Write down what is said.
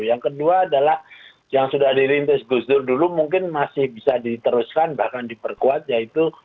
yang kedua adalah yang sudah dirintis gus dur dulu mungkin masih bisa diteruskan bahkan diperkuat yaitu